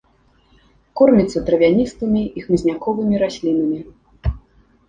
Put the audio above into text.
Корміцца травяністымі і хмызняковымі раслінамі.